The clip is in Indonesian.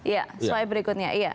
ya slide berikutnya